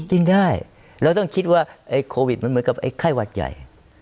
กินได้เราต้องคิดว่าไอ้โควิดมันเหมือนกับไอ้ไข้หวัดใหญ่